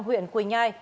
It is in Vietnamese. huyện quỳnh nhai